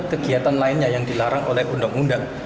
kegiatan lainnya yang dilarang oleh undang undang